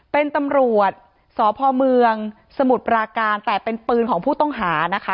เป็นตำรวจสพเมืองสมุทรปราการแต่เป็นปืนของผู้ต้องหานะคะ